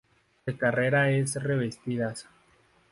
De carretera es revestidas.